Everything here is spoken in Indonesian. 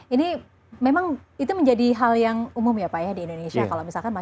ini memang itu menjadi hal yang umum ya pak ya di indonesia